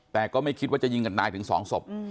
แต่ก็ไม่คิดว่าจะยิงกันตายถึง๒ศพ